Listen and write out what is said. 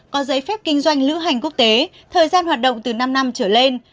có giấy phép kinh doanh lữ hành quốc tế thời gian hoạt động từ năm năm trở lên